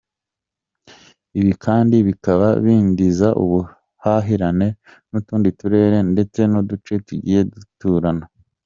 Ibi kandi bikaba bidindiza ubuhahirane n’utundi turere ndetse n’uduce tugiye duturana.